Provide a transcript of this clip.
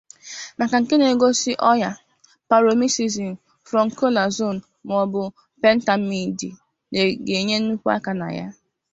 Maka nke n'egosi ọnya, paromisin,[[flukonazol]],[[maọbụ pentamidin]]ga-enye nnukwu aka na ya.